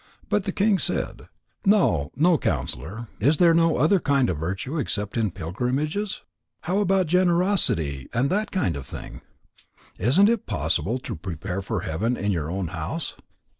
But the king said: "No, no, counsellor. Is there no other kind of virtue except in pilgrimages? How about generosity and that kind of thing? Isn't it possible to prepare for heaven in your own house?"